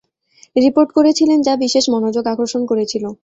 Report করেছিলেন যা বিশেষ মনোযোগ আকর্ষণ করেছিল।